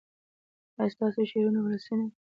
ایا ستاسو شعرونه ولسي نه دي؟